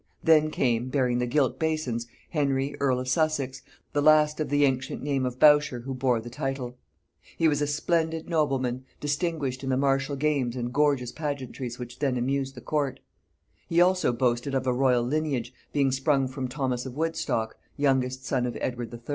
Then came, bearing the gilt basins, Henry earl of Essex, the last of the ancient name of Bourchier who bore the title. He was a splendid nobleman, distinguished in the martial games and gorgeous pageantries which then amused the court: he also boasted of a royal lineage, being sprung from Thomas of Woodstock, youngest son of Edward III.